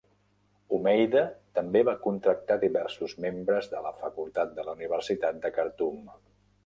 Homeida també va contractar diversos membres de la facultat de la Universitat de Khartoum.